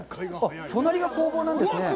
隣が工房なんですね。